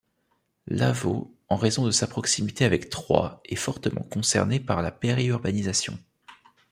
Lavau, en raison de sa proximité avec Troyes est fortement concerné par la périurbanisation.